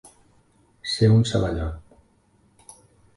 Ser un ceballot.